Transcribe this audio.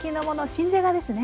新じゃがですね。